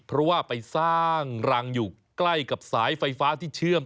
เพราะว่าไปสร้างรังอยู่ใกล้กับสายไฟฟ้าที่เชื่อม